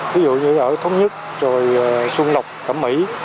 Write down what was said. ví dụ như ở thống nhất rồi xuân lộc cẩm mỹ